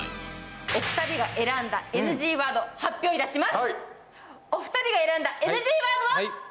お二人が選んだＮＧワ−ド発表いたします。